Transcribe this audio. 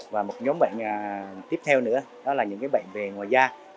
và một nhóm bệnh tiếp theo nữa đó là những bệnh về ngoài da